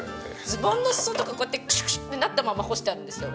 ズボンの裾とかこうやってクシュクシュってなったまま干してあるんですよ。